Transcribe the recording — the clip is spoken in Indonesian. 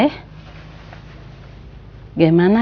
dede pitulis ketemu wawan kan